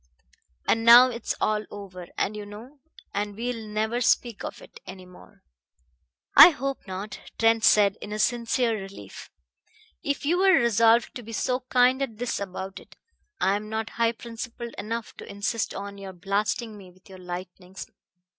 "And now it's all over, and you know and we'll never speak of it any more." "I hope not," Trent said in sincere relief. "If you're resolved to be so kind as this about it, I am not high principled enough to insist on your blasting me with your lightnings.